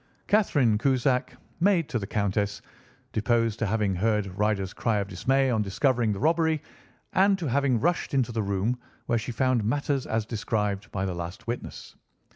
Catherine Cusack, maid to the Countess, deposed to having heard Ryder's cry of dismay on discovering the robbery, and to having rushed into the room, where she found matters as described by the last witness.